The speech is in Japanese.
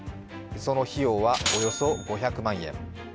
その費用はおよそ５００万円。